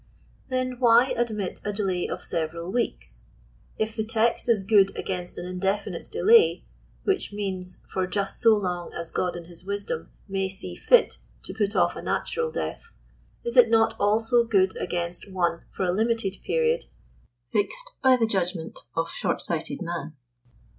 Then why admit a delay of " several weeks ?" If the tei^t is good against an indefinite delay, which means for just so long as God in his wisdom may see fit to put off a natural death, is it not also good against one for a limited period, fixed by the judgment of ♦In the London Quarterly Review for December, 1841. 23 shoit«sighted man?